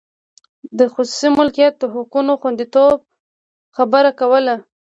د خصوصي مالکیت د حقونو د خوندیتوب خبره کوله.